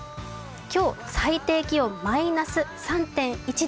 今日、最低気温マイナス３．１度。